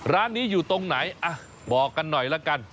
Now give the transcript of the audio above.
ร้านนี้อยู่ตรงไหนบอกกันหน่อยละกัน